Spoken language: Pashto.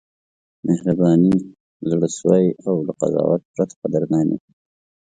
مهرباني، زړه سوی او له قضاوت پرته قدرداني: